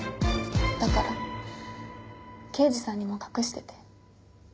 だから刑事さんにも隠してて。